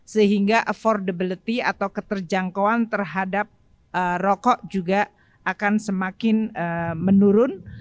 sehingga affordability atau keterjangkauan terhadap rokok juga akan semakin menurun